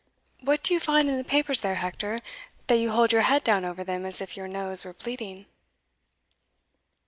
What do you find in the papers there, Hector, that you hold your head down over them as if your nose were bleeding?"